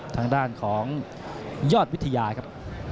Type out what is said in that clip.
ทางด้านของยอดวิทยาครับ